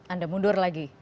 anda mundur lagi